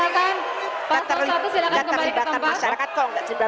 paslon satu silakan kembali ke tempat